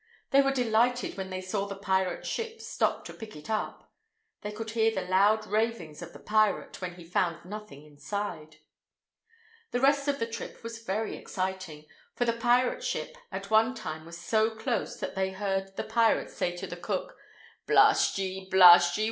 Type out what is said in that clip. They were delighted when they saw the pirate's ship stop to pick it up. They could hear the loud ravings of the pirate when he found nothing inside. The rest of the trip was very exciting, for the pirate's ship at one time was so close that they heard the pirate say to the cook, "Blast ye! Blast ye!